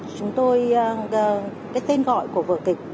chúng tôi cái tên gọi của vợ kịch